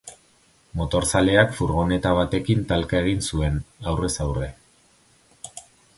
Motorzaleak furgoneta batekin talka egin zuen, aurrez aurre.